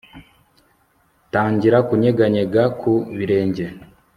tangira kunyeganyega ku birenge